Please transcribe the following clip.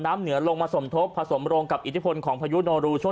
น้ำเหนือลงมาสมทบผสมโรงกับอิทธิพลของพายุโนรูช่วง